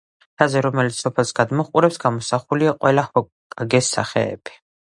მთაზე, რომელიც სოფელს გადმოჰყურებს გამოსახულია ყველა ჰოკაგეს სახეები.